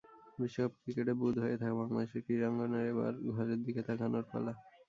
বিশ্বকাপ ক্রিকেটে বুঁদ হয়ে থাকা বাংলাদেশের ক্রীড়াঙ্গনের এবার ঘরের দিকে তাকানোর পালা।